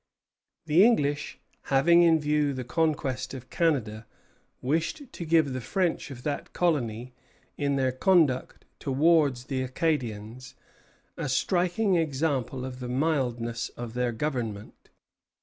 The English, having in view the conquest of Canada, wished to give the French of that colony, in their conduct towards the Acadians, a striking example of the mildness of their government.